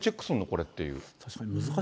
これっていう。